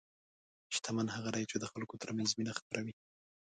شتمن هغه دی چې د خلکو ترمنځ مینه خپروي.